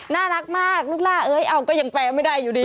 น่ารักมากลูกล่าเอ้ยเอาก็ยังแปลไม่ได้อยู่ดี